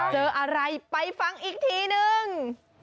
เจออะไรไปฟังอีกทีนึง